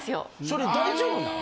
それ大丈夫なん？